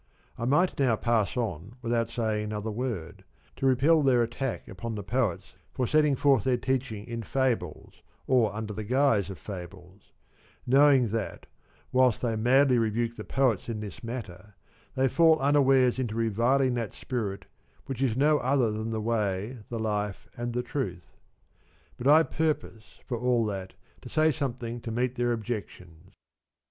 I might now pass on without saying another word to repel their attack upon the Poets for setting forth their teaching in fables, or under the guise of fables ; knowing that whilst they madly rebuke the Poets in this matter they fall unawares into reviling that Spirit which is no other than the Way, the Life, and the Truth. But I purpose, for all that, to say something to meet their objections.